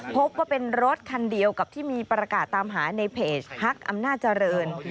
พบว่าเป็นรถคันเดียวกับที่มีประกาศตามหาในเพจฮักอำนาจเจริญ